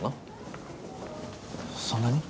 そんなに？